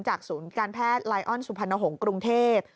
จากศูนย์การแพทย์ไลออนสุภัณฐหงษ์กรุงเทพฯ